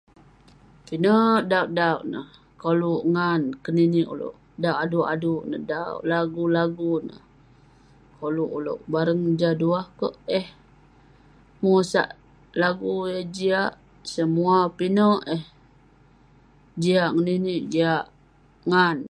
pinek..dauwk dauwk neh, koluk ngan keninik ulouk, dauwk aduk aduk neh, dauwk lagu lagu neh koluk ulouk bareng jah duwah kerk eh, bengosak lagu yah jiak semua pinek eh jiak ngeninik, jiak ngan